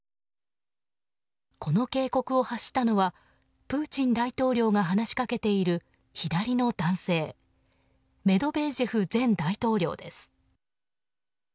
この警告を発したのはプーチン大統領が話しかけている左の男性メドベージェフ前大統領です。